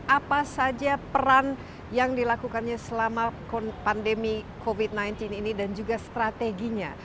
apa saja peran yang dilakukannya selama pandemi covid sembilan belas ini dan juga strateginya